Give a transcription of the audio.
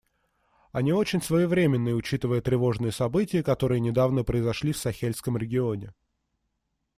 Они очень своевременны, учитывая тревожные события, которые недавно произошли в Сахельском регионе.